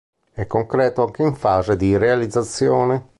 È concreto anche in fase di realizzazione.